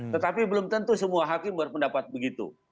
ya tentu semua hakim berpendapat begitu